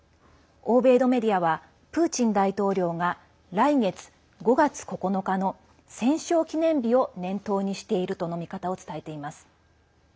欧米のメディアはプーチン大統領が来月５月９日の戦勝記念日を念頭にしているとの見方を伝えています。